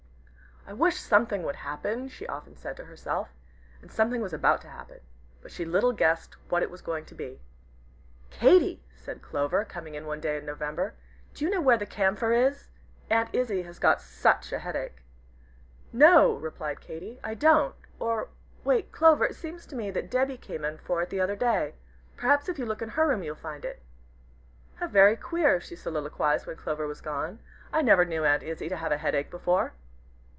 "I wish something would happen," she often said to herself. And something was about to happen. But she little guessed what it was going to be. "Katy!" said Clover, coming in one day in November, "do you know where the camphor is? Aunt Izzie has got such a headache." "No," replied Katy, "I don't. Or wait Clover, it seems to me that Debby came for it the other day. Perhaps if you look in her room you'll find it." "How very queer!" she soliloquized, when Clover was gone; "I never knew Aunt Izzie to have a headache before."